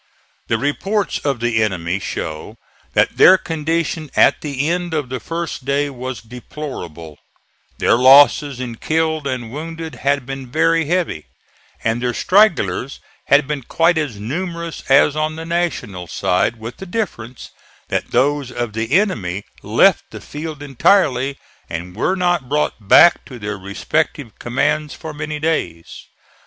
The reports of the enemy show that their condition at the end of the first day was deplorable; their losses in killed and wounded had been very heavy, and their stragglers had been quite as numerous as on the National side, with the difference that those of the enemy left the field entirely and were not brought back to their respective commands for many days.